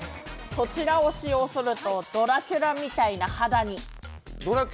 こちらを使用するとドラキュラみたいな肌に。